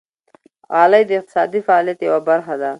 غالۍ د اقتصادي فعالیت یوه برخه ده.